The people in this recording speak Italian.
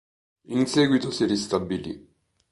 In seguito si ristabilì.